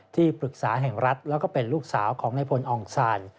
ที่ปรึกษาแห่งรัฐแล้วก็เป็นลูกสาวของนายพลองศาล